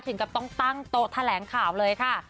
ถึงกับต้องตั้งโต๊ะแถลงข่าวเลยค่ะ